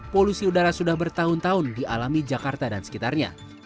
polusi udara sudah bertahun tahun dialami jakarta dan sekitarnya